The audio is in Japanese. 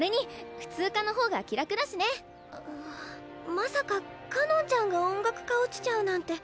まさかかのんちゃんが音楽科落ちちゃうなんて。